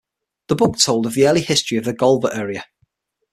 The book told of the early history of the Golva area.